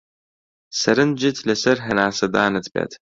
سەرنجت لەسەر هەناسەدانت بێت.